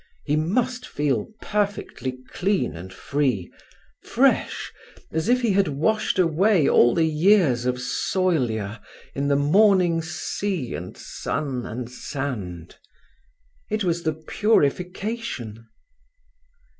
He must feel perfectly clean and free—fresh, as if he had washed away all the years of soilure in this morning's sea and sun and sand. It was the purification.